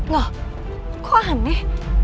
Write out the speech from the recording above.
loh kok aneh